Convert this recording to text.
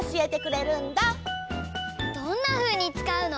どんなふうにつかうの？